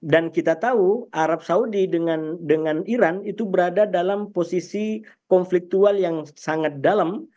dan kita tahu arab saudi dengan iran itu berada dalam posisi konfliktual yang sangat dalam